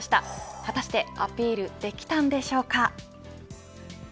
果たしてアピールできたんでしょうか。